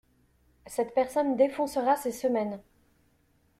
Cette personne défoncera ces semaines.